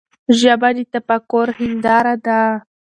ژبه د تفکر هنداره ده.